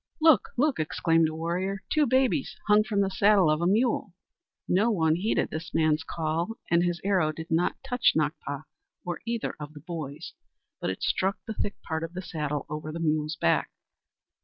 "Look! look!" exclaimed a warrior, "two babies hung from the saddle of a mule!" No one heeded this man's call, and his arrow did not touch Nakpa or either of the boys, but it struck the thick part of the saddle over the mule's back.